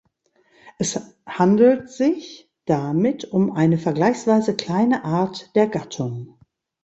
Es handelt sich damit um eine vergleichsweise kleine Art der Gattung.